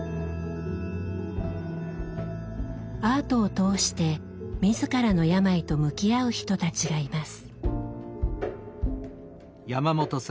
アートを通して自らの病と向き合う人たちがいます。